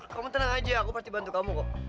kamu tenang aja aku pasti bantu kamu kok